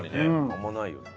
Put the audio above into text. あんまないよ。